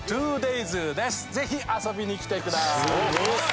ぜひ遊びに来てください。